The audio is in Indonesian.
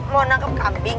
mau nangkep kambing